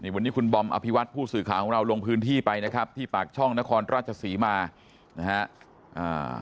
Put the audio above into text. วันนี้คุณบอมอภิวัตผู้สื่อข่าวของเราลงพื้นที่ไปนะครับที่ปากช่องนครราชศรีมานะฮะ